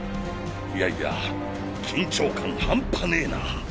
いやいや緊張感ハンパねぇなァ。